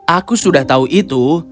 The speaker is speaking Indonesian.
aku sudah tahu itu